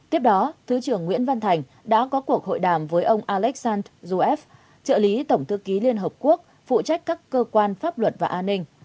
tiếp đó thứ trưởng nguyễn văn thành đã có cuộc hội đàm với ông alexand zuev trợ lý tổng thư ký liên hợp quốc phụ trách các cơ quan pháp luật và an ninh